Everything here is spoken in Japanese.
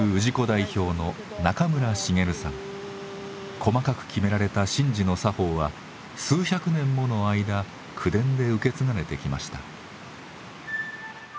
細かく決められた神事の作法は数百年もの間口伝で受け継がれてきました。